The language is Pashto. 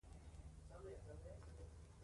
د څپرکي تمرین